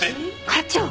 課長！